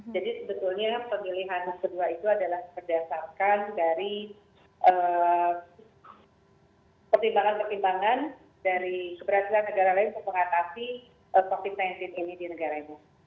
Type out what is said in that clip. jadi sebetulnya pemilihan kedua itu adalah berdasarkan dari pertimbangan pertimbangan dari keberatan negara lain untuk mengatasi covid sembilan belas ini di negara ini